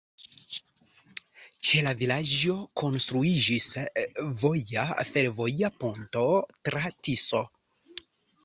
Ĉe la vilaĝo konstruiĝis voja-fervoja ponto tra Tiso.